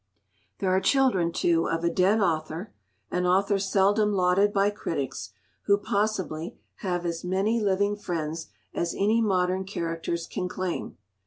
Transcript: There are children, too, of a dead author, an author seldom lauded by critics, who, possibly, have as many living friends as any modern characters can claim.